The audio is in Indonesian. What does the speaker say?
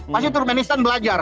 pasti turkmenistan belajar